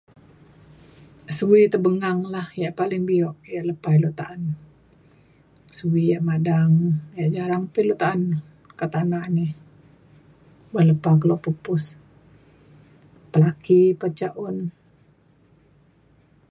Suwi tebengang lah yak paling bio lepa ilu ta’an suwi yak madang jarang pa ilu ta’an kak tanak ni buk lepah kelo pupus. Pelaki pa ca un.